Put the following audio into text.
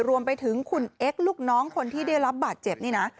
รวมไปถึงคุณเอ็กซ์ลูกน้องคนที่ได้รับบาดเจ็บนี่นะ